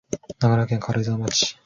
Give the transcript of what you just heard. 長野県軽井沢町